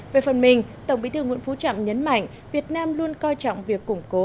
về phần mình tổng bí thư nguyễn phú trọng nhấn mạnh việt nam luôn coi trọng việc củng cố